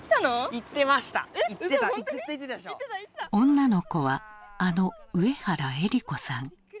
女の子はあの上原えり子さん。